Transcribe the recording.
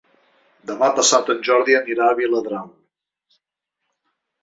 Demà passat en Jordi anirà a Viladrau.